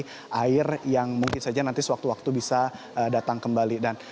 dumi ditabrak tersesat dilipati musim air yang mungkin saja nanti suatu waktu bisa datang kembali